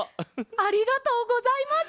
ありがとうございます。